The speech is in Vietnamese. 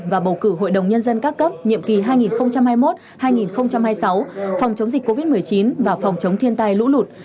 và bầu cử hội đồng nhân dân các cấp nhiệm kỳ hai nghìn hai mươi một hai nghìn hai mươi sáu phòng chống dịch covid một mươi chín và phòng chống thiên tai lũ lụt